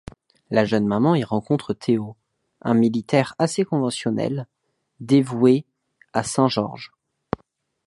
La jeune maman y rencontre Théo, un militaire assez conventionnel dévoué à Saint-Georges.